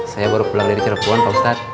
saya baru pulang dari cirebon pak ustadz